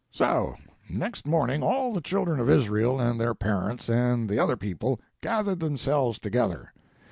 "So next morning all the children of Israel and their parents and the other people gathered themselves together.